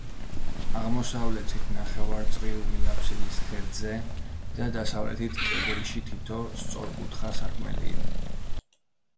აღმოსავლეთით, ნახევარწრიული აფსიდის ღერძზე და დასავლეთ კედელში თითო სწორკუთხა სარკმელია.